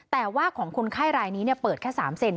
แต่ว่าของคนไข้รายนี้เปิดแค่๓เซน